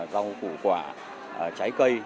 rau củ quả trái cây